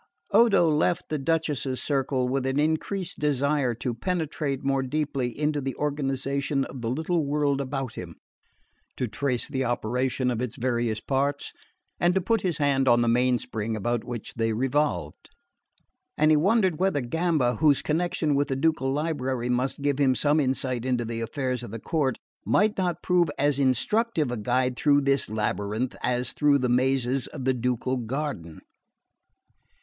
Odo left the Duchess's circle with an increased desire to penetrate more deeply into the organisation of the little world about him, to trace the operation of its various parts, and to put his hand on the mainspring about which they revolved; and he wondered whether Gamba, whose connection with the ducal library must give him some insight into the affairs of the court, might not prove as instructive a guide through this labyrinth as through the mazes of the ducal garden.